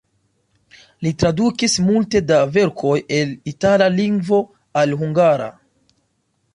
Li tradukis multe da verkoj el itala lingvo al hungara.